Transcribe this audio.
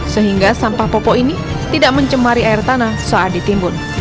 sehingga sampah popok ini tidak mencemari air tanah saat ditimbun